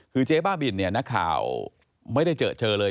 คือเจ๊บ้าบินน่ะด้านข้าวไม่ได้เจอเผลอเลย